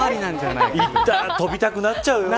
行ったら飛びたくなっちゃうよ。